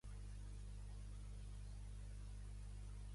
Diu també que és català Gonzaga, en la Crònica general del seu orde.